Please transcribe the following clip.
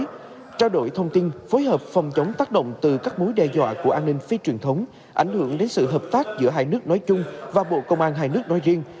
trong thời gian tới trao đổi thông tin phối hợp phòng chống tác động từ các mối đe dọa của an ninh phía truyền thống ảnh hưởng đến sự hợp tác giữa hai nước nói chung và bộ công an hai nước nói riêng